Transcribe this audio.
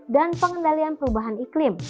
dan pengendalian perubahan iklim